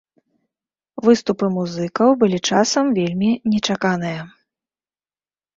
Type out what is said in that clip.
Выступы музыкаў былі часам вельмі нечаканыя.